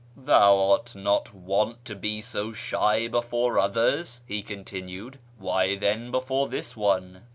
" Thou art not wont to be so shy before others," he con tinued ;" why then before this one